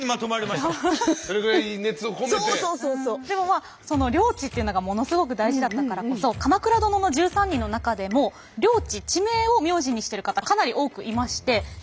でもまあ領地っていうのがものすごく大事だったからこそ「鎌倉殿の１３人」の中でも領地地名を名字にしてる方かなり多くいまして。